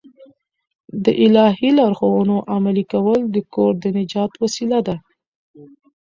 د الهي لارښوونو عملي کول د کور د نجات وسیله ده.